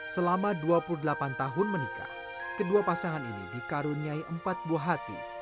selama dua puluh delapan tahun menikah kedua pasangan ini dikaruniai empat buah hati